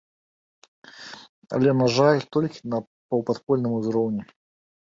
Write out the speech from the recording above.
Але, на жаль, толькі на паўпадпольным узроўні.